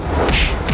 aku akan menang